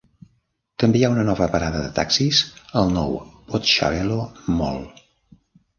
També hi ha una nova parada de taxis al nou Botshabelo Mall.